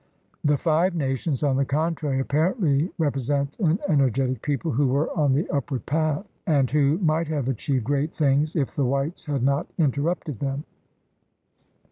The Five Nations, on the contrary, apparently repre sent an energetic people who were on the upward path and who might have achieved great things if THE RED MAN IN AMERICA 163 the whites had not interrupted them.